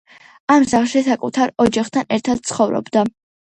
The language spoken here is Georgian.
ამ სახლში საკუთარ ოჯახთან ერთად ცხოვრობდა.